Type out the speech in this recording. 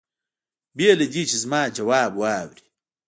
بې له دې چې زما ځواب واوري.